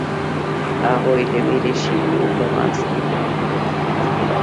هغوی له وېرې شیرینو په منځ کې پرېښووله.